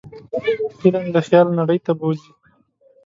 فلم د خیال نړۍ ته بوځي